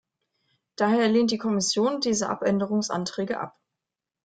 Daher lehnt die Kommission diese Abänderungsanträge ab.